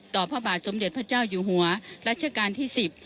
พระบาทสมเด็จพระเจ้าอยู่หัวรัชกาลที่๑๐